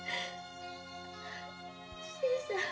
新さん。